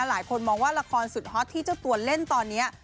หลายคนมองว่าละครสุดฮอตที่เจ้าตัวเล่นตอนนี้